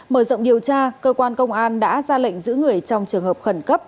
mở rộng điều tra cơ quan công an đã ra lệnh giữ người trong trường hợp khẩn cấp